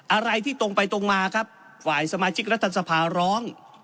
อะไรที่ตรงไปตรงมาครับฝ่ายสมาชิกรัฐสภาร้อง